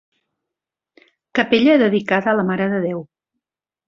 Capella dedicada a la Mare de Déu.